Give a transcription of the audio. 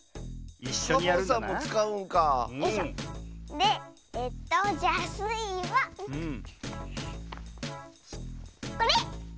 でえっとじゃあスイはこれ！